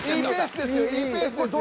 いいペースですよ。